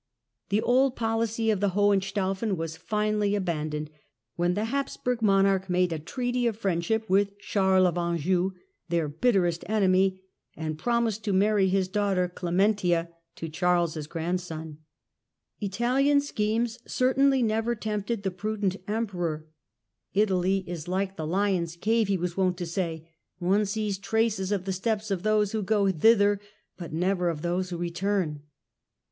The old policy of the Hohenstaufen was finally abandoned, when the Habsburg Monarch made a treaty of friendship with Charles of Anjou, their bitterest enemy, and promised to marry his daughter dementia to Charles' grandson. Italian schemes certainly never tempted the prudent Emperor ;" Italy is like the lion's 10 THE END OF THE MIDDLE AGE Relations with Ot tokar of Bohemia Homage Ottokar cave," he was wont to say, " one sees traces of the steps of those who go thither, but never of those who return."